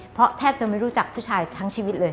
เพราะแทบจะไม่รู้จักผู้ชายทั้งชีวิตเลย